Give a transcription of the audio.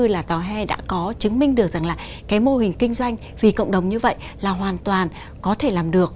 là tòa hay đã có chứng minh được rằng là cái mô hình kinh doanh vì cộng đồng như vậy là hoàn toàn có thể làm được